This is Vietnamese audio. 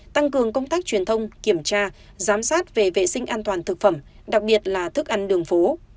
tăng cường công tác truyền thông kiểm tra giám sát về vệ sinh an toàn thực phẩm đặc biệt là thức ăn đường phố